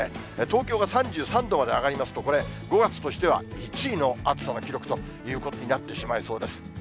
東京が３３度まで上がりますと、これ、５月としては１位の暑さの記録ということになってしまいそうです。